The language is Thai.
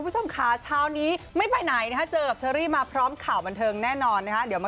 เจอกับเชอรี่มาเพราะข่าวบันเทิงแน่นอน